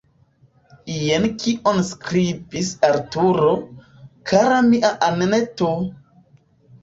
Jen kion skribis Arturo: « Kara mia Anneto!